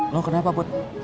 lo kenapa put